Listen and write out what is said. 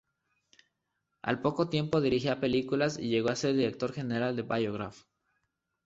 Al poco tiempo dirigía películas y llegó a ser director general de Biograph.